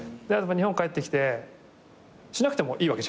日本帰ってきてしなくてもいいわけじゃん。